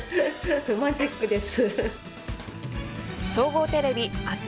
マジックです。